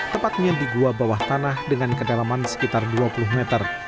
tepatnya di gua bawah tanah dengan kedalaman sekitar dua puluh meter